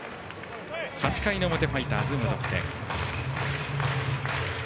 ８回表、ファイターズは無得点。